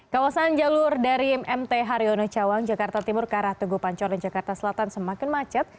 kawasan jalur dari mt haryono cawang jakarta timur ke arah teguh pancoran jakarta selatan semakin macet